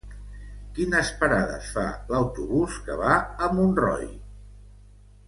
Quines parades fa l'autobús que va a Montroi?